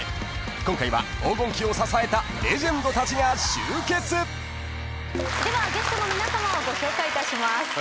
［今回は黄金期を支えたレジェンドたちが集結］ではゲストの皆さまをご紹介いたします。